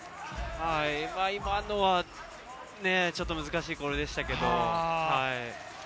今のはちょっと難しいコールでしたけれど。